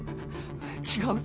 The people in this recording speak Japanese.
違う！